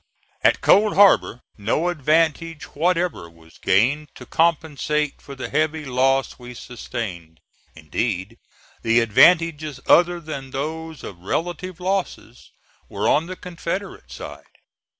At Cold Harbor no advantage whatever was gained to compensate for the heavy loss we sustained. Indeed, the advantages other than those of relative losses, were on the Confederate side.